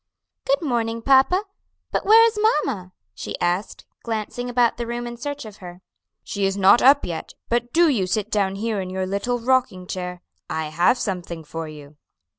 "Good morning, papa. But where is mamma?" she asked, glancing about the room in search of her. "She is not up yet, but do you sit down here in your little rocking chair. I have something for you."